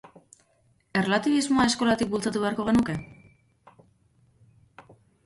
Erlatibismoa eskolatik bultzatu beharko genuke?